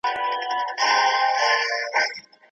د بېوزلۍ کچه باید دقیقه معلومه سي.